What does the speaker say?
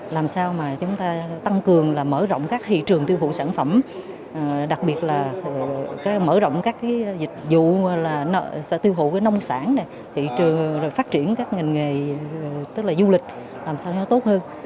làm sao mà chúng ta tăng cường là mở rộng các thị trường tiêu hụt sản phẩm đặc biệt là mở rộng các dịch vụ tiêu hụt nông sản phát triển các nghề du lịch làm sao nó tốt hơn